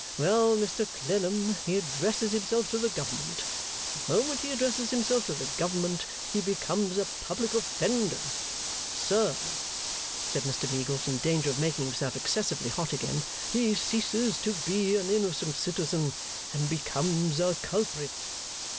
Well, Mr Clennam, he addresses himself to the Government. The moment he addresses himself to the Government, he becomes a public offender! Sir,' said Mr Meagles, in danger of making himself excessively hot again, 'he ceases to be an innocent citizen, and becomes a culprit.